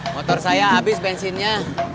motor saya abis bensinnya